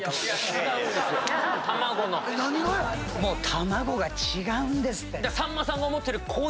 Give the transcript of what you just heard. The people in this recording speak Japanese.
卵が違うんですって。